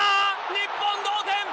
日本同点。